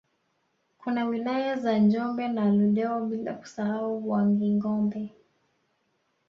Kuna wilaya za Njombe na Ludewa bila kusahau Wangingombe